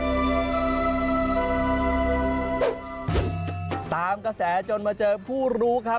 ตามกระแสจนมาเจอผู้รู้ครับ